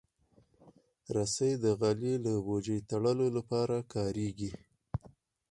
رسۍ د غلې له بوجۍ تړلو لپاره کارېږي.